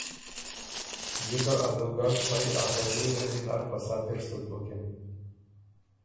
جِکه ا دُوګډ پئ آخېري رݫي نر په سَتِر سُک بُکِن۔